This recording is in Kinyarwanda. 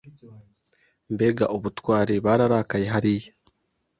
Mbega ubutwari bararakaye hariya